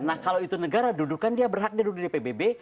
nah kalau itu negara dudukan dia berhak dia duduk di pbb